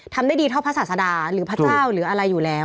ทำได้ดีเท่าพระศาสดาหรือพระเจ้าหรืออะไรอยู่แล้ว